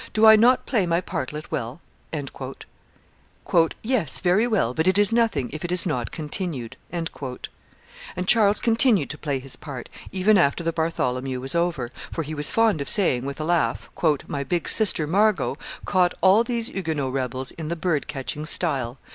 Do I not play my partlet well?" "Yes, very well; but it is nothing if it is not continued." And Charles continued to play his part, even after the Bartholomew was over, for he was fond of saying with a laugh, "My big sister Margot caught all those Huguenot rebels in the bird catching style.